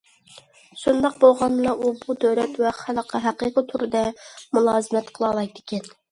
شۇنداق بولغاندىلا ئۇ بۇ دۆلەت ۋە خەلققە ھەقىقىي تۈردە مۇلازىمەت قىلالايدىكەن.